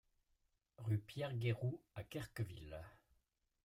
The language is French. Rue Pierre Guéroult à Querqueville